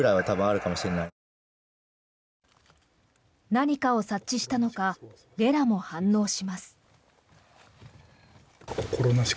何かを察知したのかレラも反応します。